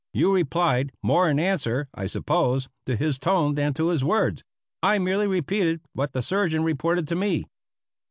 You replied, more in answer, I suppose, to his tone than to his words: "I merely repeated what the Surgeon reported to me."